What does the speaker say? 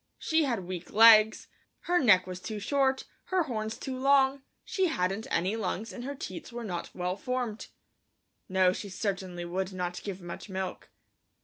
She had weak legs, her neck was too short, her horns too long, she hadn't any lungs and her teats were not well formed. No, she certainly would not give much milk.